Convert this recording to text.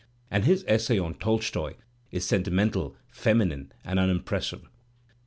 And his essay on Tolstoy is sentimental, feminine and unimpressive. !